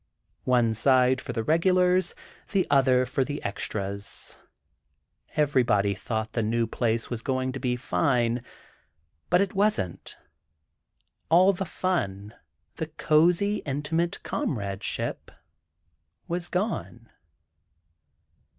one side for the regulars, the other for the extras. Everybody thought the new place was going to be fine, but it wasn't. All the fun, the cozy, intimate comradeship, was gone.